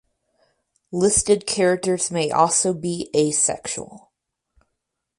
Listed characters may also be asexual.